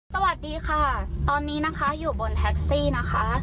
สวัสดีค่ะตอนนี้นะคะอยู่บนแท็กซี่นะคะ